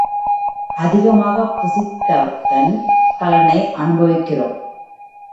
அதிகமாய்ப் புசித்ததன் பலனை அனுபவிக்கிறோம்.